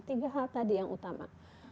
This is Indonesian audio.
tiga hal tadi yang utama